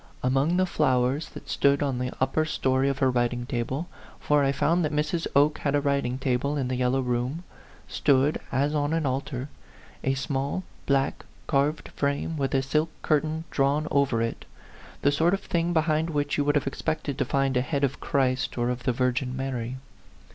Among the flowers that stood on the upper A PHANTOM LOVER 63 story of her writing table for I found that Mrs. Oke had a writing table in the yellow room stood, as on an altar, a small, black, carved frame, with a silk curtain drawn over it; the sort of thing behind which you would have expected to find a head of Christ or of the Virgin Mary.